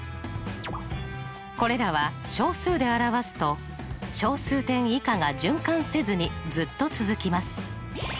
これらは小数で表すと小数点以下が循環せずにずっと続きます。